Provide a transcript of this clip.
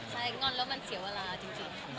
ใช่ง่อนแล้วมันเสียเวลาจริงค่ะ